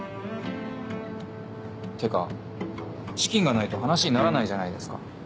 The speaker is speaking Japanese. ってかチキンがないと話にならないじゃないですか。